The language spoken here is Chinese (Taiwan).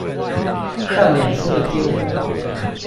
但臉書的貼文